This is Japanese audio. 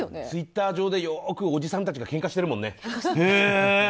ツイッター上でよくおじさんたちがけんかしてるもんね。